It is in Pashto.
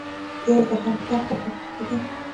پیاز د حلق درد ته ښه دی